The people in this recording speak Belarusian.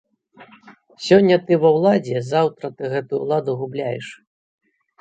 Сёння ты ва ўладзе, заўтра ты гэтую ўладу губляеш.